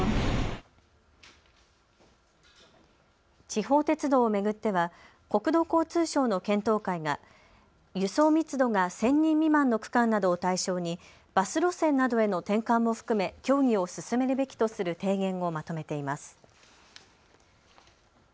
地方鉄道を巡っては国土交通省の検討会が輸送密度が１０００人未満の区間などを対象にバス路線などへの転換も含め協議を進めるべきとする提言をまとめています。